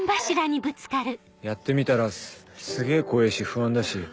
やってみたらすげぇ怖えぇし不安だし。